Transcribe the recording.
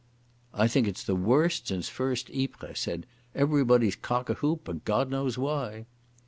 "I think it's the worst since First Ypres," I said. "Everybody's cock a whoop, but God knows why."